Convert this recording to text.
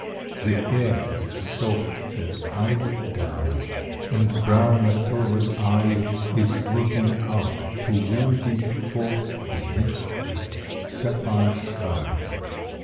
The air is soft as eider down ; And brown October's eye Is looking out to woo thee forth Beneath its sapphire sky.